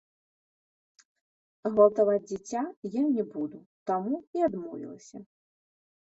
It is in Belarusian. Гвалтаваць дзіця я не буду, таму і адмовілася.